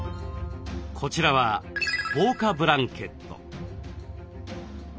こっちは防火ブランケット。